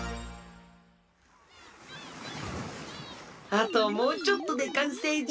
あともうちょっとでかんせいじゃ。